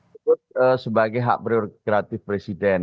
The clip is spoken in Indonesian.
sebut sebagai hak prerogatif presiden